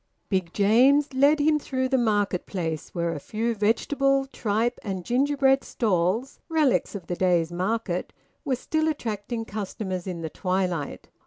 Big James led him through the market place, where a few vegetable, tripe, and gingerbread stalls relics of the day's market were still attracting customers in the twilight.